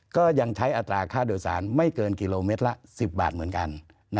ก็ยังใช้อัตราค่าโดยสารไม่เกินกิโลเมตรละ๑๐บาทเหมือนกัน